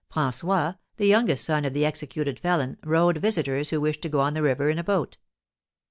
François, the youngest son of the executed felon, rowed visitors who wished to go on the river in a boat.